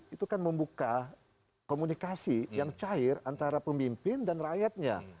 itu kan membuka komunikasi yang cair antara pemimpin dan rakyatnya